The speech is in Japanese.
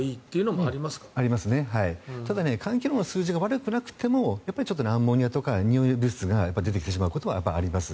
ただ肝機能の数字が悪くなくてもちょっとアンモニアとかにおい物質が出てきてしまうこともあります。